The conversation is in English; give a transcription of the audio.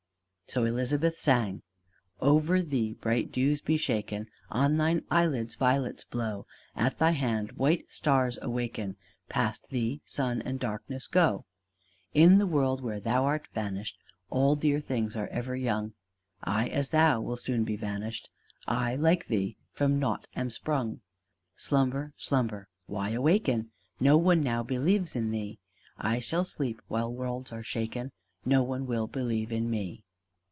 So Elizabeth sang: "Over thee bright dews be shaken; On thine eyelids violets blow; At thy hand white stars awaken; Past thee sun and darkness go! "In the world where thou art vanished, All dear things are ever young. I as thou will soon be vanished, I like thee from nought am sprung. "Slumber, slumber! Why awaken? No one now believes in thee. I shall sleep while worlds are shaken No one will believe in me."